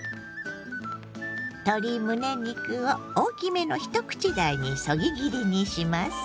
鶏むね肉を大きめの一口大にそぎ切りにします。